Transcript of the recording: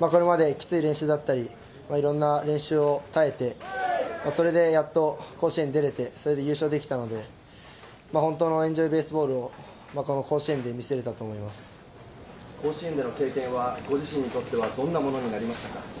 これまできつい練習だったり、いろんな練習を耐えて、それでやっと甲子園出れて、それで優勝できたので、本当のエンジョイベースボールを、甲子園での経験は、ご自身にとってはどんなものになりましたか。